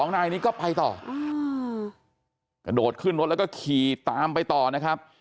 นายนี้ก็ไปต่อกระโดดขึ้นรถแล้วก็ขี่ตามไปต่อนะครับ